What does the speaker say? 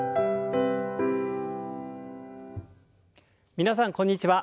皆さんこんにちは。